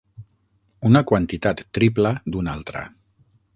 Una quantitat tripla d'una altra.